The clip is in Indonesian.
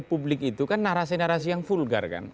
publik itu kan narasi narasi yang vulgar kan